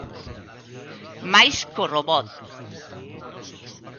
Máis que o robot.